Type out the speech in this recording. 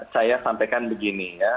saya sampaikan begini ya